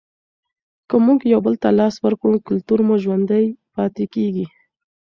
که موږ یو بل ته لاس ورکړو کلتور مو ژوندی پاتې کیږي.